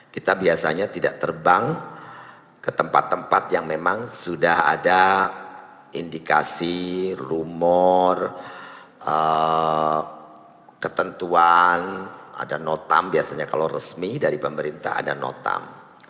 kita biasanya tidak terbang ke tempat tempat yang memang sudah ada indikasi rumor ketentuan ada notam biasanya kalau resmi dari pemerintah ada notam